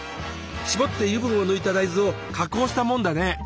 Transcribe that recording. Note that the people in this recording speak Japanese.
搾って油分を抜いた大豆を加工したもんだね。